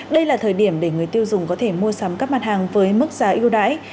đây là thời điểm để người tiêu dùng có thể mua sắm các mặt hàng với mức giá ưu đãi